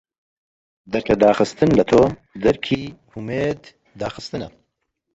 دەرکەداخستن لە تۆ دەرکی هومێد داخستنە